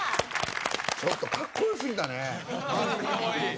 ちょっとかっこよすぎたね。